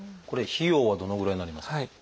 これ費用はどのぐらいになりますか？